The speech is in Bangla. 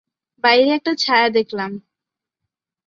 বাইরে একটা ছায়া দেখলাম।